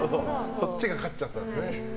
そっちが勝っちゃったんですね。